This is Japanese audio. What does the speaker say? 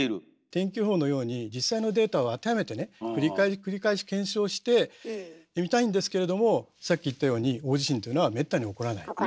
天気予報のように実際のデータを当てはめてね繰り返し繰り返し検証してみたいんですけれどもさっき言ったように起こらない。